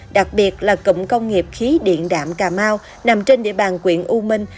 đặc biệt là cụm công nghiệp khí điện đạm cà mau nằm trên địa bàn quyện u minh